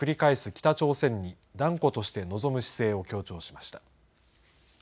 北朝鮮に断固として臨む姿勢を強調しました。